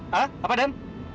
hah apa dan